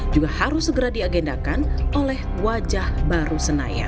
juga harus segera diagendakan oleh wajah baru senayan